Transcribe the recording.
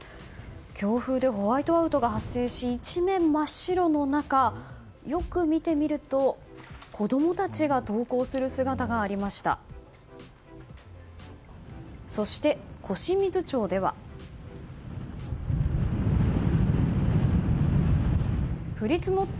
強風でホワイトアウトが発生し一面真っ白の中よく見てみると子供たちが登校する姿がありました。